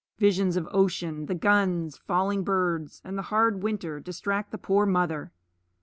Visions of ocean, the guns, falling birds, and the hard winter distract the poor mother.